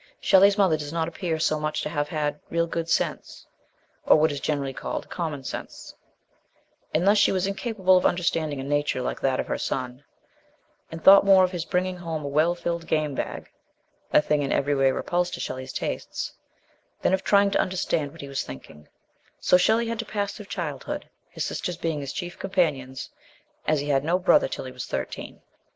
Shelley's mother does not appear so much to have had real good sense, as what is generally called common sense, and thus she was incapable of under standing a nature like that of her son ; and thought more of his bringing home a well filled game bag (a thing in every way repulsive to Shelley's tastes) than of trying to understand what he was thinking; so Shelley had to pass through childhood, his sisters being his chief companions, as he had no brother till he was thirteen.